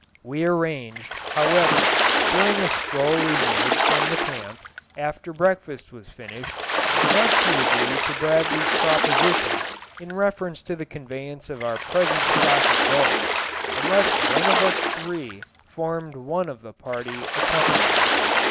We arranged, however, during a stroll we made from the camp, after breakfast was finished, not to agree to Bradley's proposition in reference to the conveyance of our present stock of gold, unless one of us three formed one of the party accompanying it.